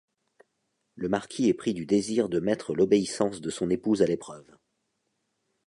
Le marquis est pris du désir de mettre l'obéissance de son épouse à l'épreuve.